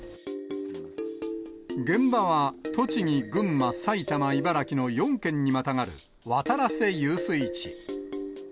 現場は栃木、群馬、埼玉、茨城の４県にまたがる渡良瀬遊水地。